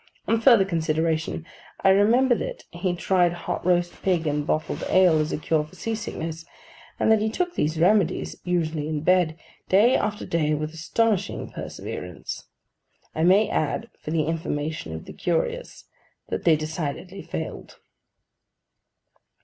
On further consideration, I remember that he tried hot roast pig and bottled ale as a cure for sea sickness; and that he took these remedies (usually in bed) day after day, with astonishing perseverance. I may add, for the information of the curious, that they decidedly failed.